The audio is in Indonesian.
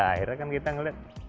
akhirnya kan kita ngelihat